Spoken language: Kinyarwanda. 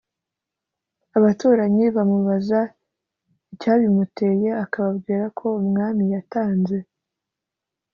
abaturanyi bamubaza icyabimuteye akababwira ko umwami yatanze